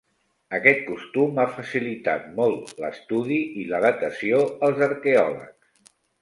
Aquest costum ha facilitat molt l'estudi i la datació als arqueòlegs.